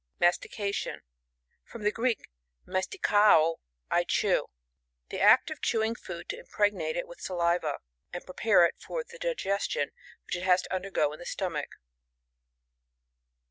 Mastication. — Fiom the Greek, wias tickao^ I chew. The b< t of chew ing food to impregnate it with sail* va, and prepare it for the digestion it has to undergo in the stomach.